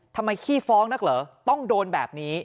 ขี้ฟ้องนักเหรอต้องโดนแบบนี้